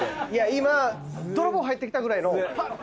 今泥棒入ってきたぐらいのぱっ！